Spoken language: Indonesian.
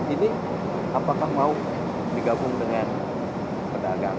ini apakah mau digabung dengan pedagang